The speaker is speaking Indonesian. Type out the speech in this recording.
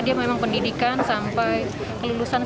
dia tidak punya catatan buruk apapun selama pekerjaannya